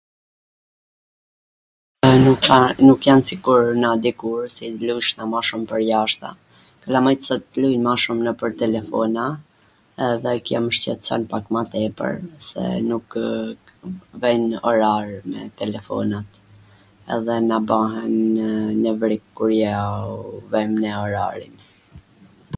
Ε nuk jan si na dikur qw lujshim ma shum pwrjashta, kalamajt sot lujn mw shum nwpwr telefona edhe kjo mw shqetson pak ma tepwr, se nukw vejn orare me telefonat dhe na bahen nevrik kur ja u vejm ne orarin.